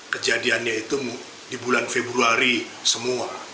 kejadiannya itu di bulan februari semua